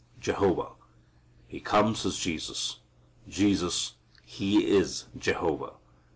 Jehovah He comes as Jesus. Jesus He is Jehovah.